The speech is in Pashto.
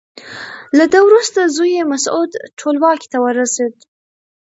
له ده وروسته زوی یې مسعود ټولواکۍ ته ورسېد.